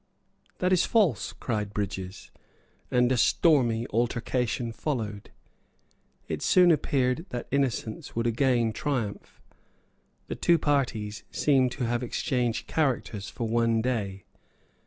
"That is false," cried Brydges; and a stormy altercation followed. It soon appeared that innocence would again triumph. The two parties seemed to have exchanged characters for one day.